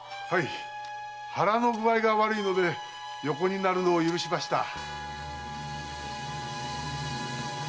はい腹の具合が悪いので横になるのを許しました。